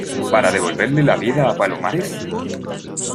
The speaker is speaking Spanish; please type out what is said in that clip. para devolverle la vida a Palomares?